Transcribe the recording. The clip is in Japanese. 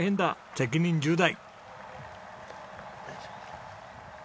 責任重大！